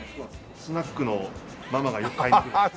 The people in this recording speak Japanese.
スナックのママがよく買いに来る。